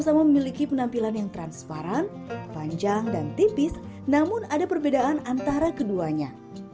sama memiliki penampilan yang transparan panjang dan tipis namun ada perbedaan antara keduanya